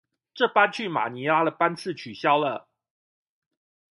這班去馬尼拉的班次取消了